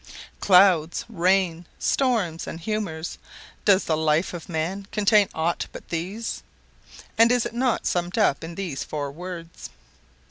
Clouds, rain, storms, and humors—does the life of man contain aught but these? and is it not summed up in these four words?